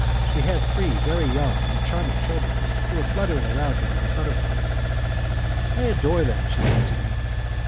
She had three very young and charming children, who were fluttering around her like butterflies. "I adore them," she said to me.